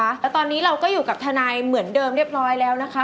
แล้วตอนนี้เราก็อยู่กับทนายเหมือนเดิมเรียบร้อยแล้วนะคะ